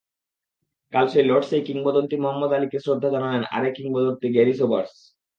কাল সেই লর্ডসেই কিংবদন্তি মোহাম্মদ আলীকে শ্রদ্ধা জানালেন আরেক কিংবদন্তি গ্যারি সোবার্স।